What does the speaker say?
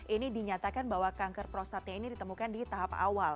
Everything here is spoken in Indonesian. ini dinyatakan bahwa kanker prostatnya ini ditemukan di tahap awal